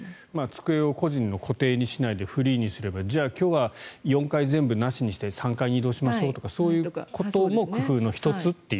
机を個人の固定にしないでフリーにすればじゃあ今日は４階全部なしにして３階に移動しましょうとかそういうのも工夫の１つと。